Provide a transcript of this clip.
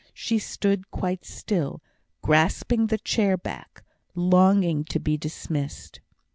She stood quite still, grasping the chair back, longing to be dismissed.